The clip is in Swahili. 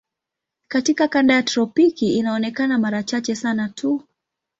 Katika kanda ya tropiki inaonekana mara chache sana tu.